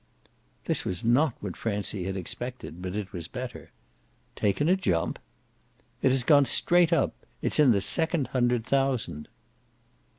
This was not what Francie had expected, but it was better. "Taken a jump?" "It has gone straight up. It's in the second hundred thousand."